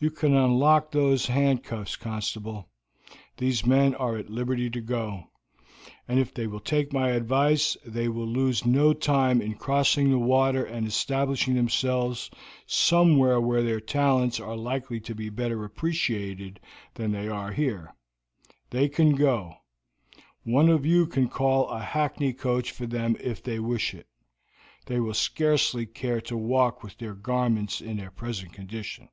"You can unlock those handcuffs, constable; these men are at liberty to go, and if they will take my advice they will lose no time in crossing the water and establishing themselves somewhere where their talents are likely to be better appreciated than they are here. They can go; one of you can call a hackney coach for them if they wish it. They will scarcely care to walk with their garments in their present condition."